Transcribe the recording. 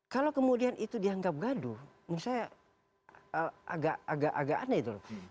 kalau kemudian itu dianggap gaduh menurut saya agak agak aneh itu loh